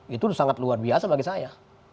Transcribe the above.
itu sangat luar biasa bagi saya